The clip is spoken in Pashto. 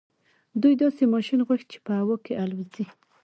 دوی داسې ماشين غوښت چې په هوا کې الوځي.